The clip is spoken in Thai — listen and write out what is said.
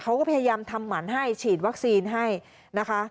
เขาก็พยายามทำหมันให้ฉีดวัคซีนให้นะคะ